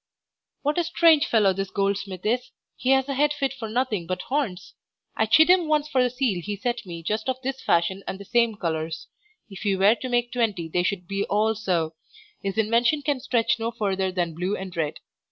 What a strange fellow this goldsmith is, he has a head fit for nothing but horns. I chid him once for a seal he set me just of this fashion and the same colours. If he were to make twenty they should be all so, his invention can stretch no further than blue and red.